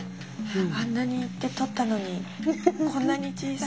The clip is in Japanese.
あんなに行って採ったのにこんなに小さい。